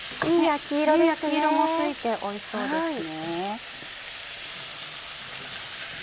いい焼き色もついておいしそうです。